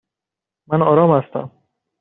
من آرام هستم.